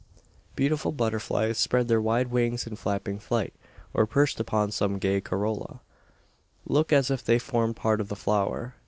Beautiful butterflies spread their wide wings in flapping flight; or, perched upon some gay corolla, look as if they formed part of the flower.